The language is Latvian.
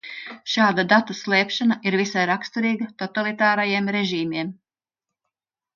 Šādu datu slēpšana ir visai raksturīga totalitārajiem režīmiem.